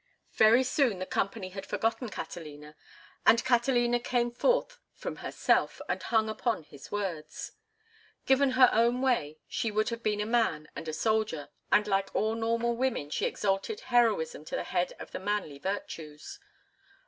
Very soon the company had forgotten Catalina, and Catalina came forth from herself and hung upon his words. Given her own way she would have been a man and a soldier, and like all normal women she exalted heroism to the head of the manly virtues.